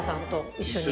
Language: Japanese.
一緒に。